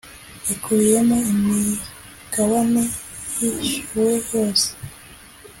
ikubiyemo imigabane yishyuwe yose